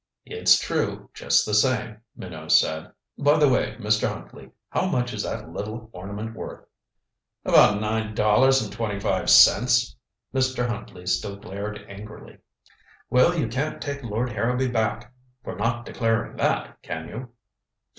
"It's true, just the same," Minot said. "By the way, Mr. Huntley, how much is that little ornament worth?" "About nine dollars and twenty five cents." Mr. Huntley still glared angrily. "Well you can't take Lord Harrowby back for not declaring that, can you?"